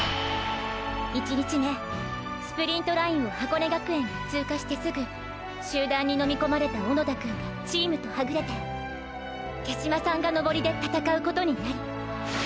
１日目スプリントラインを箱根学園が通過してすぐ集団に飲み込まれた小野田くんがチームとはぐれてーー手嶋さんが登りで闘うことになり。